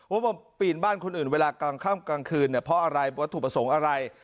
ว่ามาปีนบ้านคนอื่นเวลากลางค่ำกลางคืนเนี่ยเพราะอะไรวัตถุประสงค์อะไร